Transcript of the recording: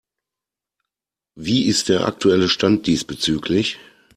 Wie ist der aktuelle Stand diesbezüglich?